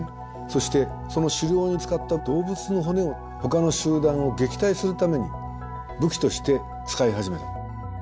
そしてその狩猟に使った動物の骨をほかの集団を撃退するために武器として使い始めた。